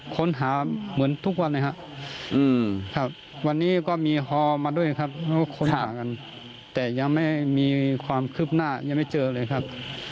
ค้นหาเหมือนทุกวันนะครับวันนี้ก็มีฮอมาด้วยครับแล้วก็ค้นหากันแต่ยังไม่มีความคืบหน้ายังไม่เจอเลยครับ